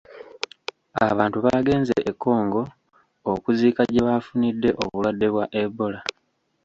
Abantu baagenze e Congo okuziika gye baafunidde obulwadde bwa ebola.